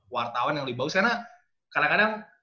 wartawan yang lebih bagus karena kadang kadang